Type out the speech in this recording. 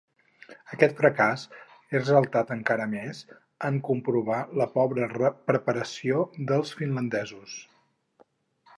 Aquest fracàs és ressaltat encara més en comprovar la pobra preparació dels finlandesos.